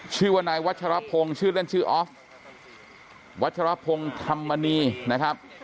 ชื่อว่านายวัชรพงศ์ชื่อเล่นชื่อออฟวัชรพงศ์ธรรมนีนะครับ